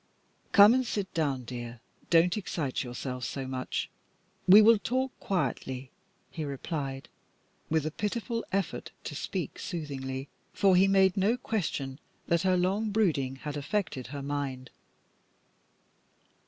"Come and sit down, dear don't excite yourself so much. We will talk quietly," he replied, with a pitiful effort to speak soothingly, for he made no question that her long brooding had affected her mind.